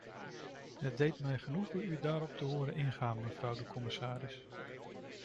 Het deed mij genoegen u daarop te horen ingaan, mevrouw de commissaris.